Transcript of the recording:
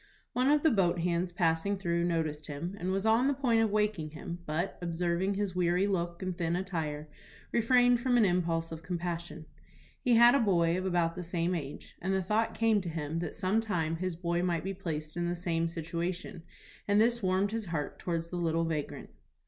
One of the boat hands passing through noticed him, and was on the point of waking him, but, observing his weary look and thin attire, refrained from an impulse of compassion. He had a boy of about the same age, and the thought came to him that some time his boy might be placed in the same situation, and this warmed his heart towards the little vagrant.